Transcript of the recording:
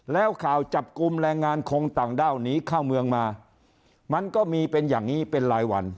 แล้วข่าวจับกลุ่มแรงงานคงต่างด้าวหนีเข้าเมืองมามันก็มีเป็นอย่างนี้เป็นรายวัน